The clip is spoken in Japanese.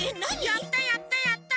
やったやったやった！